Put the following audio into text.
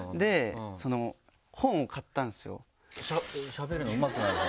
しゃべるのがうまくなる本？